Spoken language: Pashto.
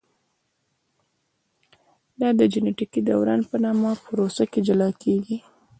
دا د جینټیکي دوران په نامه پروسه کې جلا کېږي.